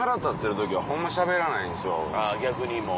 逆にもう。